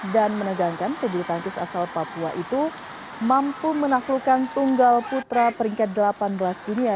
dan menegangkan kejutan kisah asal papua itu mampu menaklukkan tunggal putra peringkat delapan belas dunia